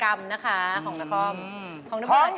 เอาของแดมมาชนของสวยอย่างงานตรงนี้ครับคุณแม่ตั๊ก